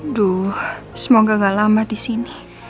aduh semoga gak lama disini